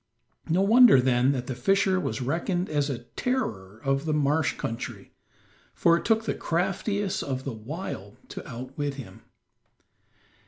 No wonder then that the fisher was reckoned as a terror of the marsh country, for it took the craftiest of the wild to outwit him.